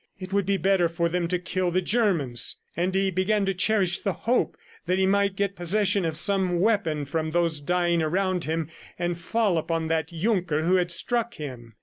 It would be better for them to kill the Germans ... and he began to cherish the hope that he might get possession of some weapon from those dying around him, and fall upon that Junker who had struck him.